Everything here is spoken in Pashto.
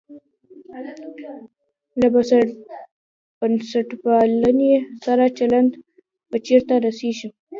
له بنسټپالنې سره چلند به چېرته رسېږي.